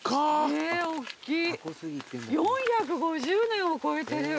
４５０年を超えてる。